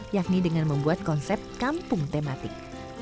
yakni dengan membuat konsep kampung tematik